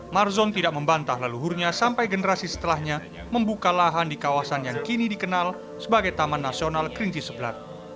marzon tidak membantah leluhurnya sampai generasi setelahnya membuka lahan di kawasan yang kini dikenal sebagai taman nasional kerinci sebelah